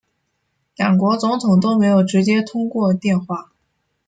两国总统都没有直接通过电话